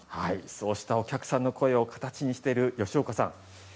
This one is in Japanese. そうしたお客さんの声を形にしてる吉岡さん。